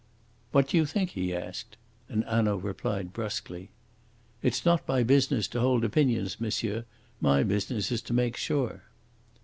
"What do you think?" he asked; and Hanaud replied brusquely: "It's not my business to hold opinions, monsieur; my business is to make sure."